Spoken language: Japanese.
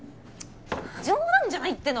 冗談じゃないっての！